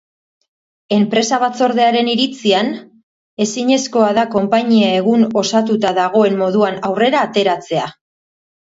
Enpresa-batzordearen iritzian, ezinezkoa da konpainia egun osatuta dagoen moduan aurrera ateratzea.